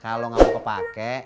kalo gak mau kepake